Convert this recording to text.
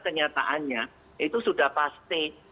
kenyataannya itu sudah pasti